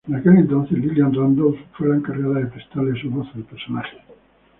En aquel entonces, Lillian Randolph fue la encargada de prestarle su voz al personaje.